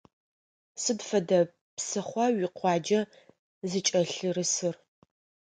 Сыд фэдэ псыхъуа уикъуаджэ зыкӏэлъырысыр?